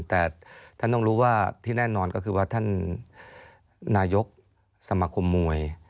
แต่ท่านต้องรู้ว่าที่แน่นอนก็คือว่าท่านนายกสมาคมมวย